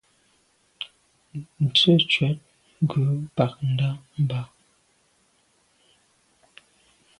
Nze ntshwèt ghù bag nda’ mbà.